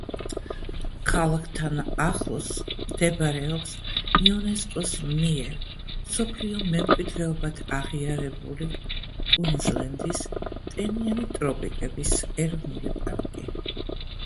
ქალაქთან ახლოს მდებარეობს იუნესკოს მიერ მსოფლიო მემკვიდრეობად აღიარებული კუინზლენდის ტენიანი ტროპიკების ეროვნული პარკი.